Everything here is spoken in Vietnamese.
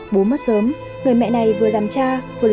bố mất sớm người mẹ này vừa làm cha vừa làm mẹ để nuôi bốn chị em vi ăn học